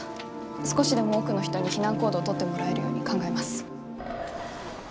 少しでも多くの人に避難行動を取ってもらえるように考えます。